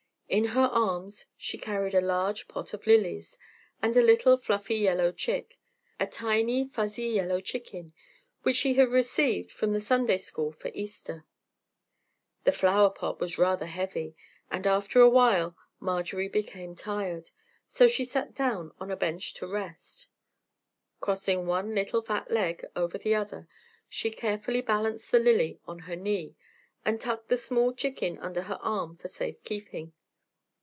In her arms she carried a large pot of lilies and a little fluffy yellow chick, a tiny fuzzy yellow chicken, which she had received from the Sunday School for Easter. The flower pot was rather heavy, and after a while, Marjorie became tired, so she sat down on a bench to rest. Crossing one little fat leg over the other she carefully balanced the lily on her knee, and tucked the small chicken under her arm for safe keeping.